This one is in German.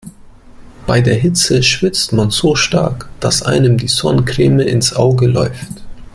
Bei der Hitze schwitzt man so stark, dass einem die Sonnencreme ins Auge läuft.